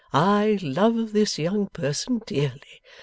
I love this young person dearly.